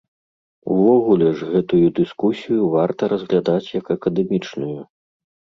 Увогуле ж гэтую дыскусію варта разглядаць як акадэмічную.